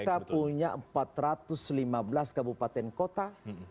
kita punya empat ratus lima belas kabupaten kota